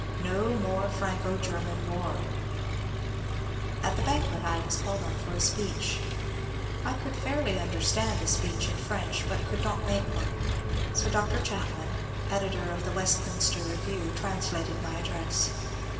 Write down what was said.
No more Franco German war I At the banquet I was called on for a speech. I could fairly understand a speech in French but not make one, so Dr. Chapman, editor of the '^Westminster Review," translated my address.